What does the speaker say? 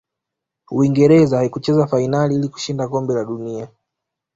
uingereza haikucheza fainali ili kushinda kombe la dunia